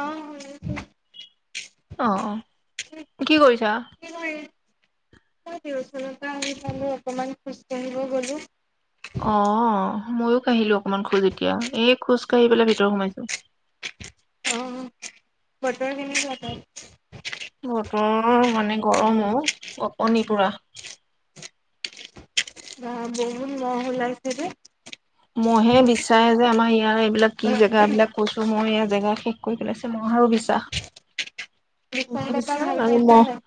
অঁ শুনিছো অঁ কি কৰিছা মই টিউচনৰ পৰা আহি পালো অকমান খুজ কাঢ়িব গলো অ', অ'। ময়ো কাঢ়িলো অকমান খোজ এতিয়া এই খোজ কাঢ়ি পেলাই ভিতৰত সোমাইছো বতৰ কেনেকুৱা তাত বতৰ মানে গৰম অ' পুৰা কপনি পুৰা অঁ বহুত মহ উলাইছে দে মহে বিচাৰে যে আমাৰ ইয়াৰ এইবিলাক কি জেগা এইবলাক কৈছো মই এয়া জেগা শেষ কৰি পেলাইছিলো ম'হ আৰু বিচা। বিস্কুট এটা বুজিছা ভাল আৰু পাইছা ন নাই?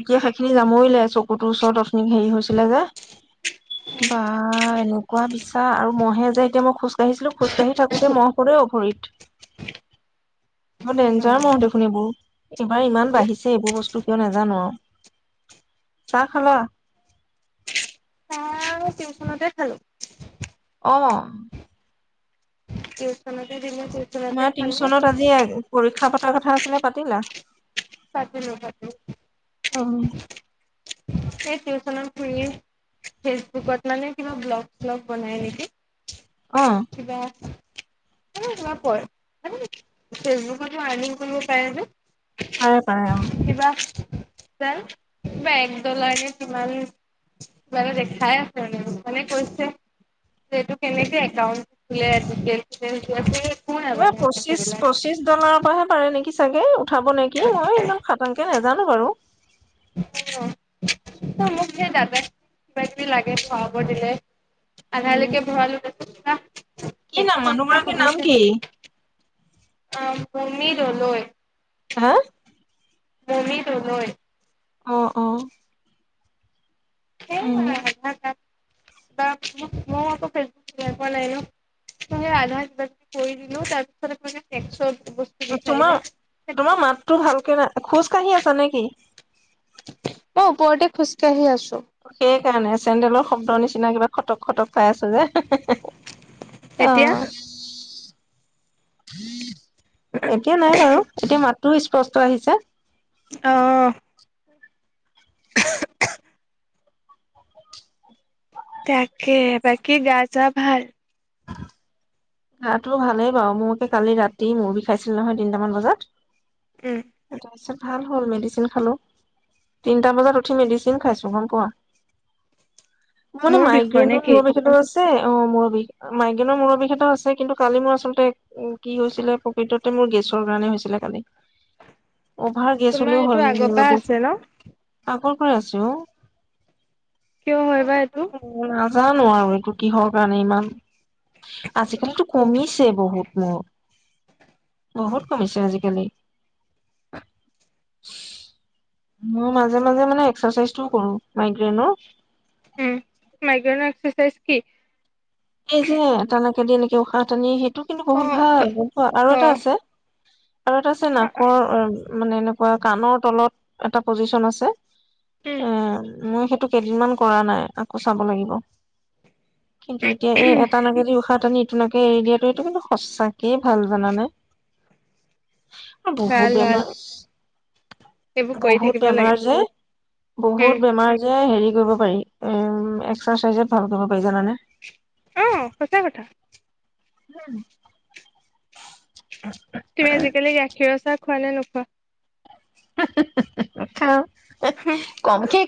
এতিয়া সেইখিনি জামুৰিলে চকুটোৰ ওচৰত অথনি হেৰি হৈছিলে যে বা এনেকুৱা কোৱা মিছা আৰু মহে যে এতিয়া মই খোজ কাঢ়িছিলো খোজ কাঢ়ি থাকোতে মহ সদ অভৰিত বৰ ডেঞ্জাৰ মহ দেখোন এইবোৰ এইবাৰ ইমান বাঢ়িছে এইবোৰ বস্তু কিয় নোজানো আৰু চাহ খালা চাহ টিউচনতে খালো অ' টিউচনতে দিলো টিউচনতে আমাৰ খালো। টিউচনত আজি আজি পৰীক্ষা পতাৰ কথা আছিলে পাতিলা পাতিলো পাতিলো, অঁ এই টিউচনত খুৰীয়ে ফেচবুকত মানে কিবা ব্লগ চ্লগ বনাই নেকি অঁ কিবা ফেচবুকটো আৰ্নিং কৰিব পাৰে যে পাৰে পাৰে অঁ কিবা একডলাৰে কিমান কিবা এটা দেখাই আছে মানে মানে কৈছে যে এইটো কেনেকে একাউণ্ট খোলে ডিটেইলচ দিয়াচোন কিবা পঁচিছ পঁচিছ পিছৰ পৰাহে পাৰে নেকি চাগে উঠাব নেকি মই একদম খাটাংকে নাজানো জানো বাৰু মোক সেই দাদা কিবা কিবি লাগে খোৱাব দিলে উম আধালেকে ভৰালো তাৰপিছত কি নাম কিবা মানুহ কিবা গৰাকীৰ নাম সুধিছে কি মমী দলৈ। হা মমী দলৈ অ অ এ উম আধাৰকাড মই আকৌ ফেচবুক চাই পোৱা নাই নহয় আধাৰ কিবা কৰি দিলো তাৰ পিছতে একো টেকছ তোমাৰ তোমাৰ মাততো ভালকে নাই খোজ কাহি আছা নেকি? মই উপৰতে খুচকাৰহি আছো। অ সেই সেইকাৰণে চেণ্ডেলৰ শব্দ নিচিনা কিবা খটক খটক পাই আছো যে হে হে এতিয়া অ' উম এতিয়া নাই বাৰু এতিয়া মাত তোৰ স্পষ্ট আহিছে? অহ তাকে বাকী গা যা। ভাল গা টো ভালেই বাৰু মোকে কালি ৰাতি মৰ বিষ খাইছিল নহয় তিনিটামান বজাত যাচোন। ভাল হ'ল মেডিচিন খালো তিনটা বজাত উঠি মেডিচিন খাইছো গম পোৱা। মানে মোৰ বিষৰ মাইগ্ৰেন নে কি? মুৰৰ বিষ এটাও আছে। আ অ মূৰ বি মাইগেনৰ মূুৰ বিষ এটা আছে। কিন্তু কালি মোৰ আচলতে কি হৈছিলে প্ৰকৃততে মোৰ গেছৰ কাৰণে হৈছিলে কালি। অভাৰ গেছ তোমাৰ হলেও এইটো হয় মোৰ আগৰ পৰা মৰ বিষ আছে ন আগত হয় আছো অ কিয় হয় বা এইটো জানো আৰু এইটো কিহৰ কাৰণে ইমান আজিক বহুত টো কমিছে বহুত মোৰ বহুত কমিছে আজিকালি মই মাজে মাজে মানে এক্সাৰচাইজটো কৰো মাইগ্ৰেইনৰ উম মাইক্ৰন এক্সাৰচাইজ কি এই যে তেনেকে দি এনেকে উশাহ তানি স টো কিন্তু অ বহুত ভাল আৰু অ এটা আছে। আৰু এটা আছে নাকৰ অ মানে এনেকুৱা ক কাণৰ তলত এটা প্ৰজিশন আছে উম অ', মই সেত টো কেইদিনমান কৰা নাই আকৌ চাব লাগিব। কিন্তু এইটো এই এটা নাকে দিও উশাহ টানিইটোনাকেই এতিয়া এইটো কিন্তু সচাকেই ভাল জানানে বহুত ভাল ভাল। বেমাৰ এইবোৰ কৰি বহুত থাকিব লাগে বেমাৰ যে উম বহুত বেমাৰ যে হেৰি কৰিব পাৰি এক্সৰচাইজত এম ভাল কৰিব পাৰি জানানে অ সঁচা কথা উম তুমি আজিকালি গাখীৰৰ চাহ খোৱা নে নোখোৱা [unintelligible] খাওঁ কমকে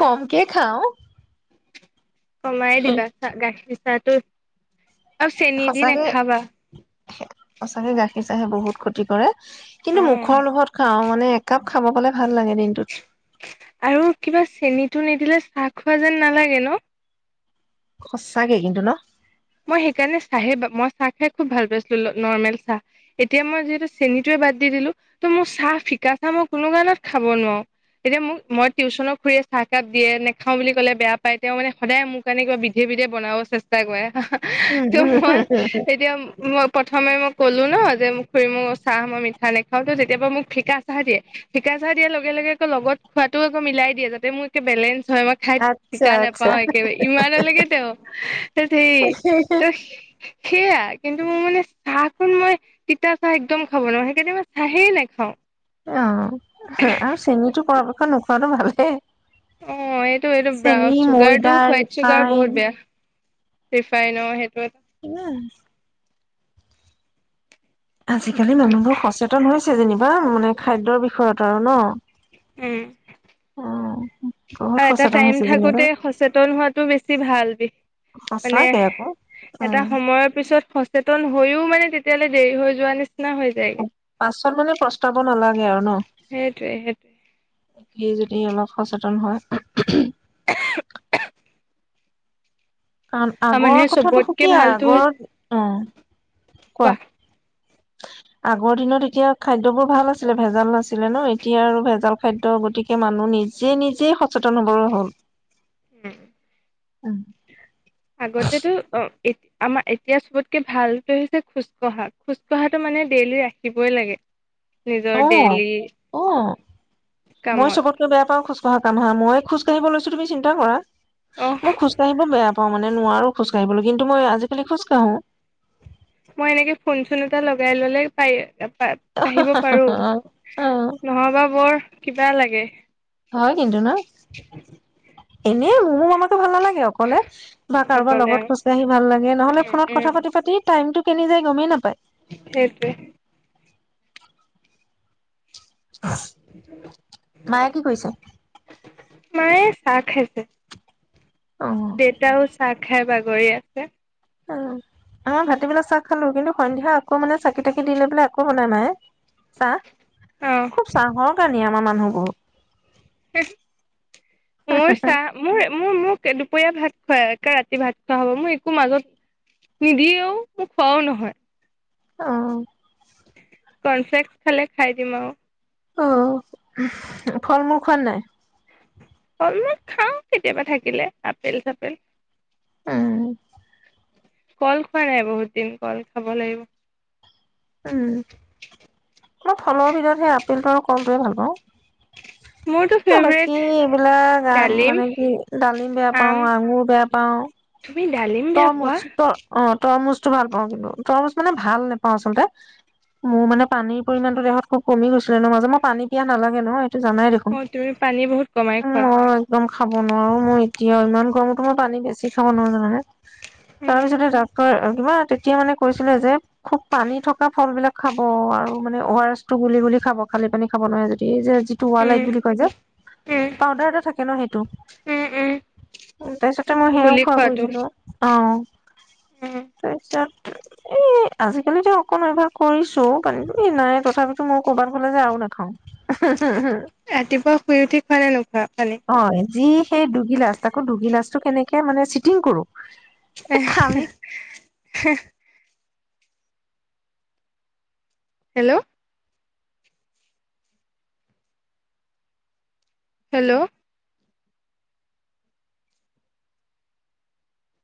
কমকে খাওঁ কমাই দিবা গা গাখীৰ চাহ টো আৰু চেনি দি সঁচাকে নেখাবা সঁচাকে গাখীৰ চাহে বহুত ক্ষতি কৰে অ কিন্তু মুখৰ লগত খাও মনে একাপ খাব গলে ভাল লাগে দিনটোত আৰু কিবা চেনিটো নিদিলে চাহ খোৱা যেন নালাগে ন সচাকে কিন্তু ন মই সেইকাৰণে চাহে মই চাহ খাই খুব ভাল পাইছিলো নৰ্মেল চাহ এতিয়া মই যিহেতু চেনিটোৱে বাদ দি দিলো ত' মোৰ চাহ ফিকা চাহ মই কোনো কাৰণত খাব নোৱাৰো এতিয়া মোক মই টিউশ্যনৰ খুৰীয়ে চাহকাপ দিয়ে নেখাও বুলি কলে বেয়া পায় তেওঁ মানে সদায় মোৰ কাৰণে কিবা বিধে বিধে বনাব চেষ্টা কৰে উম ত উম মই এতিয়া মই প্ৰথম খামেই মই ক'লো ন যে মোক খুৰি মোৰ চাহ মই মিঠা নেখাও তো তেতিয়াবা মোক ফিকা চাহ দিয়ে ফিকা চাহ দিয়াৰ লগে লগে আকৌ লগত খোৱাতো আকৌ মিলাই দিয়ে যাতে মোক একে বেলেঞ্চ হয় মই খাই আচ্ছা তিতা আচ্ছা। নেপাওঁ একেবাৰে ইমান লেগে তেওঁ ত সে সেয়া কিন্তু মোৰ মানে চাহ খন মই তিতা চাহ একদম খাব নোৱাৰো সেইকাৰণে মই চাহেই নাখাওঁ অ হ আৰু চিনিটো কৰ পৰা সিখন নোখোৱাটো ভালে অ এইটো এইটো ব্ৰাউছ চুগাৰটো ময়দা, হোৱাইট চুগাৰ ৰিফাইন বহুত বেয়া ৰিফাইনৰ সেইটোৱে ইমান আজিকালি মানুহবোৰ সচেতন হৈছ যেনিবা মানে খাদ্যৰ বিষয়ত আৰু ন উম উম বহুত আৰু এটা সচেতন টাইম হৈছে যেনিবা থাকোতে সচেতন হোৱাটো বেছি ভাল বিষ মানে সঁচাকে আকৌ এটা উম। সময়ৰ পিছত সচেতন হৈও মানে তেতিয়ালে দেৰি হৈ যোৱা নি পাছত মানে প্ৰস্তাব নালাগে। [unintelligible] সেইটোৱে সেইটোৱে ন সি যদি অলপ সচেতন হয় কাৰণ আৰু আগৰ মানুহে কথাাতটো চবতকে সুকীয়া ভালতো আগৰ হৈছে অ কোৱা আগৰ দিনত এতিয়া খাদ্যবোৰ ভাল আছিলে ভেজাল নাছিলে ন এতিয়া আৰু ভেজাল খাদ্য গতিকে মানুহ নিজে নিজে [unintelligible] নম্বৰৰ হ'ল উম আগতেতো অ আমাৰ এতিয়া চবতকে ভালটো হৈছে খোজ কঢ়া খোজ কঢ়াটো মানে ডেইলি ৰাখিবই লাগে নিজৰ অ ডেইলি অ মই কামত চবতকে বেয়া পাওঁ খোজ কঢ়া কাম হা মই খোজ কঢ়িব লৈছো তুমি চিন্তা কৰা অহ মই খুজ কাৰিব বেয়া পাওঁ মানে নোৱাৰো খোজ কাঢ়িবলৈ কিন্তু মই আজিকালি খোজ কাঢ়ো মই এনেকে ফোন চোন এটা লগাই ললে পায় ক় পাৰো অ নহবা বৰ কিবা লাগে হয় কিন্তু ন এনে মো মনকো ভাল নালাগে অকলে বা কাৰোবাৰ অকলে লগত আৰু খুচ কাহি ভাল লাগে নহলে উম ফোনত কথা পাতি পাতি টাইম কেনি যাই গমেই নাপায় সেইটোৱেই মায়ে কি কৰিছে? মায়ে চাহ খাইছে অ দেউতাও চাহ খাই বাগ কৰি আছে অ আমাৰ ভাটিবেলাক চাহ খালো কিন্তু সন্ধ্যা আকৌ মানে চাকি তাকি দিলে বোলে আকৌ বনাই মাই চাহ অ খুব চাহৰ কাৰণে আম আমাৰ মানুহ বহুত হ মোৰ চাহ মোৰ মোৰ মোৰ এ দুপৰীয়া ভাত খুৱাই ৰাতি ভাত খোৱা হ'ব মই একো মাজত নিদিয়েও মোক খোৱাও নহয় অ কনফলেক্স খালে খাই দিম আৰু অ ফল মূল খোৱা নাই? অলপ খাওঁ কেতিয়াবা থাকিলে আপেল চাপেল উম কল খোৱা নাই বহুত দিন কল খাব লাগিব উম অলপ ফলৰ ভিতৰত সেই আপেলটো আৰু কলটোৱে ভাল পাওঁ মোৰতো ফেভৰেট বাকী এইবিলাক ডালিম মানে কি ডালিম বেয়া পাও আম আঙুৰ বেয়া পাও তুমি ডালিম বেয়া তৰমুজ পোৱা ত অ তৰমুজ ভাল পাওঁ কিন্তু তৰমুজ মানে ভাল নোপাওঁ আচলতে মোৰ মানে পানীৰ পৰিমাণো দেহত খুব কমি গৈছিলে ন মাজ মই পানী পিয়া নালাগে নহয় জানাই দেখোন অ তুমি পানী বহুত কমাই উ খোৱা মই একদম খাব নোৱাৰো মই এতিয়া ইমান গৰম মই পানী বেছি খাব নো জানে উম তাৰপিছতে ডাকৰ ইিবা তেতিয়া মানে কৈছিলে যে খুব পানী থকা ফল বিলাক খাব আৰু মানে অ আৰ এছ টো গুলি গুলি খাব খালি পানী খাব নহয় যদি যে যুটি ৱালাইট উম বুলি কয় যে উম পাউদাৰ এটা থাকে ন সেইটো উম উম তাৰিছতে মই সেয়াও গুলি খোৱা খোৱাটো কৰিছিলো অ উম তাৰপিছত এ আজিকালিিতো অকণ এবাৰ কৰিছো কান এই নাই তথাপিতো মোৰ কৰ'বাত ফাললে যে আৰু নাখাওঁ ৰাতিপুৱা শুই উঠি খোৱা নে ন অ যি সেই দুগিলাচ তাকো দুগিলাচ কেনেকে মানে চিটিং কৰো এই খালি আহ হেল্ল' হেল্ল'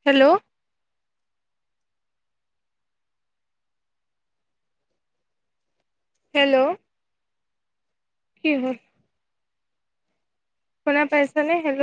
হেল্ল' হেল্ল' কিহোৰ হোনা পাইছা নে হেল্ল'